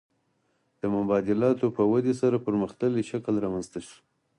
د مبادلاتو په ودې سره پرمختللی شکل رامنځته شو